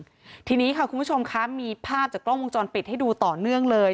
คุณผู้ชมทีนี้ค่ะคุณผู้ชมคะมีภาพจากกล้องวงจรปิดให้ดูต่อเนื่องเลย